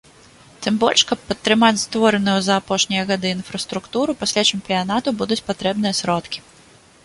Тым больш, каб падтрымліваць створаную за апошнія гады інфраструктуру, пасля чэмпіянату будуць патрэбныя сродкі.